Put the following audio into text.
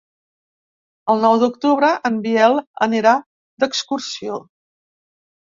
El nou d'octubre en Biel anirà d'excursió.